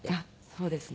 そうですね。